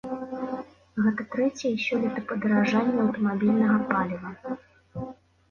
Гэта трэцяе сёлета падаражанне аўтамабільнага паліва.